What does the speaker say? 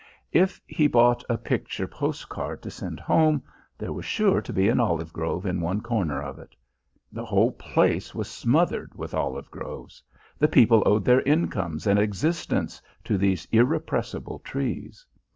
If he bought a picture postcard to send home, there was sure to be an olive grove in one corner of it. The whole place was smothered with olive groves, the people owed their incomes and existence to these irrepressible trees.